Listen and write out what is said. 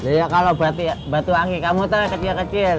lihat kalo batu batu akik kamu tau gak kecil kecil